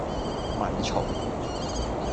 咪嘈